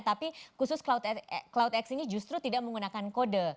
tapi khusus cloudx ini justru tidak menggunakan kode